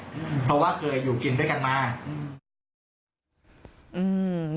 เพราะว่าเคยอยู่กินด้วยกันมาก